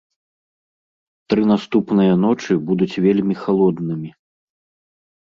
Тры наступныя ночы будуць вельмі халоднымі.